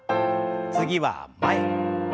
次は前。